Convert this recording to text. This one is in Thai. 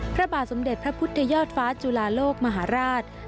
พระบาทสมเด็จพระพุทธยอดฟ้าจุลาโลกมหาราช